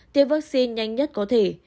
tiêm vaccine nhanh nhất có thể